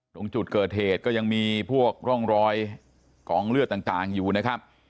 ตรงจุดเกิดเหตุก็ยังมีพวกร่องรอยกองเลือดต่างอยู่นะครับ